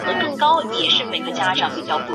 有什么方法可以帮助他们脱离贫穷呢。